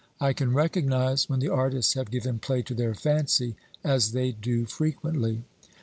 I can recognise when the artists have given play to their fancy, as they do frequently.